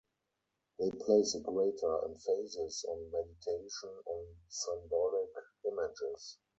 They place a greater emphasis on meditation on symbolic images.